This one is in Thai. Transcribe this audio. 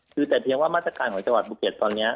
คือแต่เพียงว่ามาตรการของจังหวัดภูเก็ตตอนนี้